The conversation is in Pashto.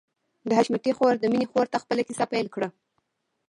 د حشمتي خور د مينې خور ته خپله کيسه پيل کړه.